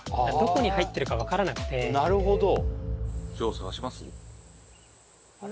なるほど